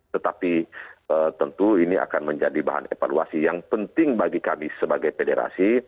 tetapi tentu ini akan menjadi bahan evaluasi yang penting bagi kami sebagai federasi